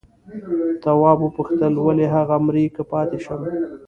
تواب وپوښتل ولې هغه مري که پاتې شم؟